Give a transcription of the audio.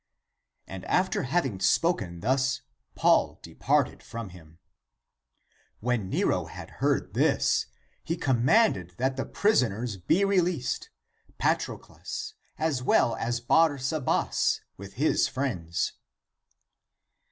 And after having spoken thus, Paul departed from him.'^ When Nero had heard (this), he commanded that the prisoners be released, Patroclus as well as Barsabas with his friends.